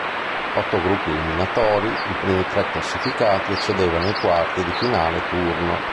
Otto gruppi eliminatori i primi tre classificati accedevano ai quarti di finale turno.